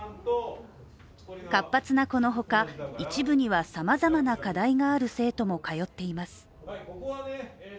活発な子のほか、一部にはさまざまな課題がある生徒も通っています。